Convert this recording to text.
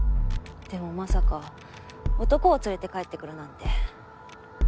でもまさか男を連れて帰ってくるなんて。